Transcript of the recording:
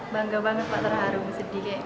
bangga banget pak terharu